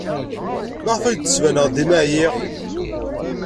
Maɣef ay d-ttbaneɣ dima ɛyiɣ?